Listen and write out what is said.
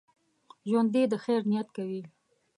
ژوندي د خیر نیت کوي